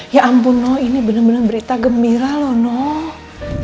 ya ampun noh ini bener bener berita gembira loh noh